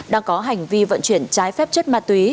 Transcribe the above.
đang có hành vi vận chuyển trái phép chất ma túy